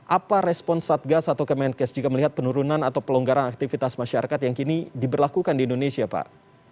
apa respon satgas atau kemenkes jika melihat penurunan atau pelonggaran aktivitas masyarakat yang kini diberlakukan di indonesia pak